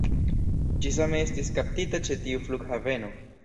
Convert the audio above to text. Ĝi same estis kaptita ĉe tiu flughaveno